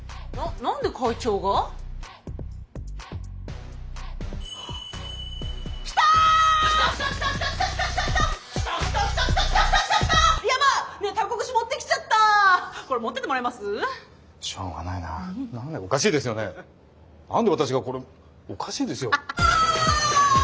何で私がこれおかしいですよ。